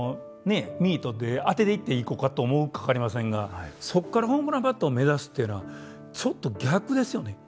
ミートで当てていっていこかと思うか分かりませんがそこからホームランバッターを目指すというのはちょっと逆ですよね。